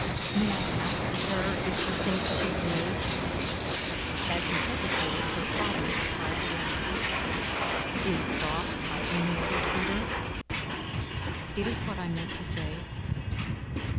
"May I ask, sir, if you think she is " As he hesitated, her father supplied the rest. "Is sought by any other suitor?" "It is what I meant to say."